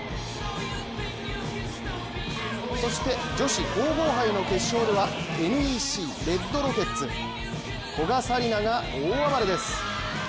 女子・皇后杯の決勝ではＮＥＣレッドロケッツ古賀紗理那が大暴れです。